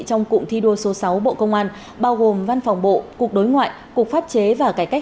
trong cụm thi đua số sáu bộ công an bao gồm văn phòng bộ cục đối ngoại cục pháp chế và cải cách